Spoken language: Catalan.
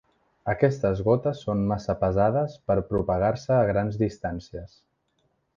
Aquestes gotes són massa pesades per propagar-se a grans distàncies.